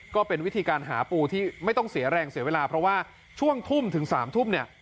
ก็เป็นวิธีการหาปูที่ไม่ต้องเสียแรงเสียเวลาเพราะว่าช่วงทุ่มถึง๓ทุ่มเนี่ย